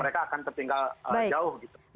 mereka akan tertinggal jauh